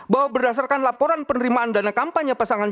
bahwa berdasarkan laporan penerimaan dana kampanye pasangan dua